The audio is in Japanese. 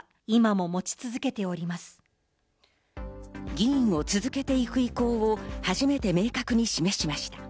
議員を続けていく意向を初めて明確に示しました。